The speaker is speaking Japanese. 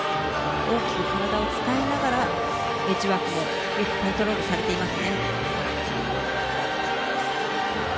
大きく体を使いながらエッジワークもコントロールされています。